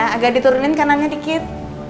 agak diturunin kanannya dikit